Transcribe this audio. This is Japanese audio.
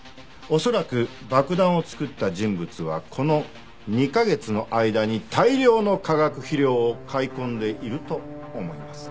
恐らく爆弾を作った人物はこの２カ月の間に大量の化学肥料を買い込んでいると思います。